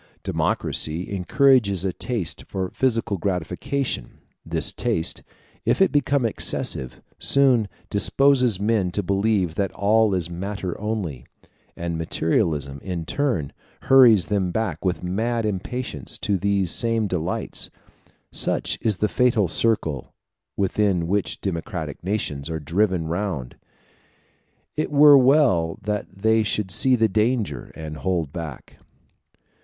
Democracy encourages a taste for physical gratification: this taste, if it become excessive, soon disposes men to believe that all is matter only; and materialism, in turn, hurries them back with mad impatience to these same delights: such is the fatal circle within which democratic nations are driven round. It were well that they should see the danger and hold back.